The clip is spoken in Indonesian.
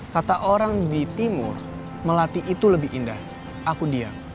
kata orang di timur melati itu lebih indah aku diam